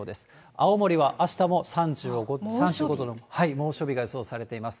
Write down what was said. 青森はあしたも３５度の猛暑日が予想されています。